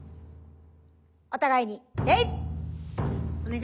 お互いに礼！